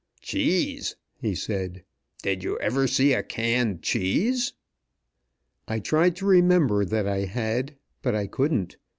"Cheese!" he said. "Did you ever see a canned cheese?" I tried to remember that I had, but I couldn't.